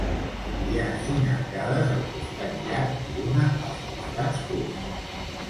Hi ha cinc arcades al costat llarg i una als costats curts.